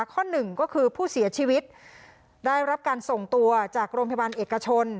ข้อหนึ่งก็คือผู้เสียชีวิตได้รับการส่งตัวจากโรงพยาบาลเอกชน